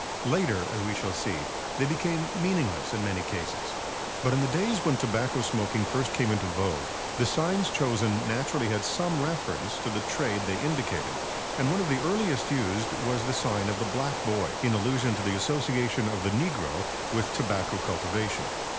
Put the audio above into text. Later, as we shall see, they became meaningless in many cases. But in the days when tobacco smoking first came into vogue, the signs chosen naturally had some reference to the trade they indicated, and one of the earliest used was the sign of the "Black Boy," in allusion to the association of the negro with tobacco cultivation.